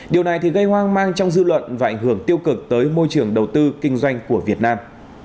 điều này thì gây hoang mang trong dư luận và ảnh hưởng tiêu cực tới môi trường đầu tư kinh doanh của việt nam